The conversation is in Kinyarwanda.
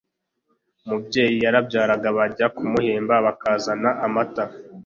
Umubyeyi yarabyaraga bajya kumuhemba bakazana amata